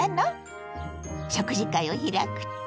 食事会を開くって？